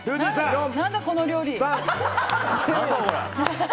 何だ、この料理？